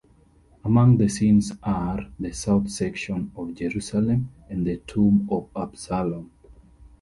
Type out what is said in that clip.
Among the scenes are: The South section of Jerusalem and the Tomb of Absalom.